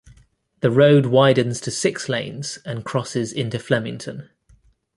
The road widens to six lanes and crosses into Flemington.